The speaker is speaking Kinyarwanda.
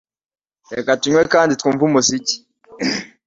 Reka tunywe kandi twumve umuziki.